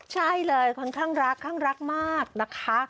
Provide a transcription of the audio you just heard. ใช่เลยค่อนข้างรักข้างรักมากนะคะ